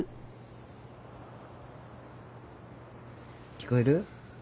聞こえる？